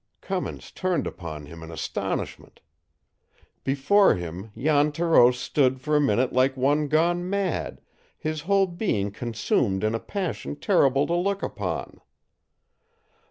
Cummins turned upon him in astonishment. Before him Jan Thoreau stood for a minute like one gone mad, his whole being consumed in a passion terrible to look upon.